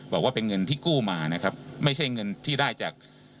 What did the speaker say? บอกว่าเป็นเงินที่กู้มานะครับไม่ใช่เงินที่ได้จาก